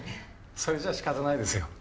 それじゃ仕方ないですよ。